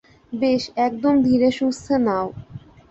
বেশ, একদম ধীরে-সুস্থে নাও।